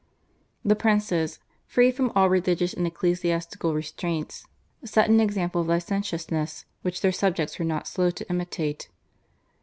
" The princes, free from all religious and ecclesiastical restraints, set an example of licentiousness which their subjects were not slow to imitate.